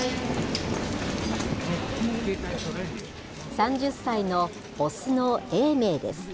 ３０歳の雄の永明です。